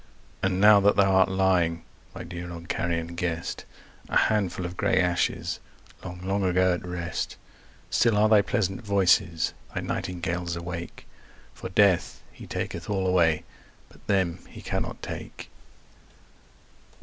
And now that thou art lying, my dear old Carian guest, 5 A handful of grey ashes, long, long ago at rest, Still are thy pleasant voices, thy nightingales, awake; For Death, he taketh all away, but them he cannot take.